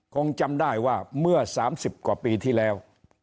คงจำได้ว่าเมื่อ๓๐กว่าปีที่แล้ว